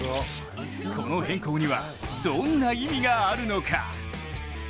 この変更にはどんな意味があるのか。